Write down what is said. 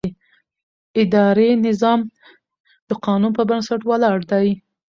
اداري نظام د قانون پر بنسټ ولاړ دی.